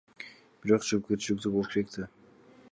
Бирок жоопкерчиликтүү болуш керек да.